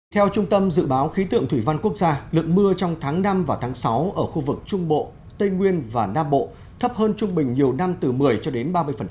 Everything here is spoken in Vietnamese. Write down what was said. theo trung tâm dự báo khí tượng thủy văn quốc gia lượng mưa trong tháng năm và tháng sáu ở khu vực trung bộ tây nguyên và nam bộ thấp hơn trung bình nhiều năm từ một mươi cho đến ba mươi